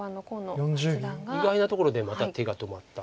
意外なところでまた手が止まった。